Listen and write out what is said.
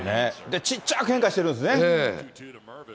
ちっちゃく変化してるんですよね。